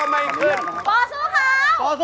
โอ้โฮ